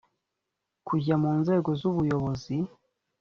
kujya mu nzego z ubuyobozi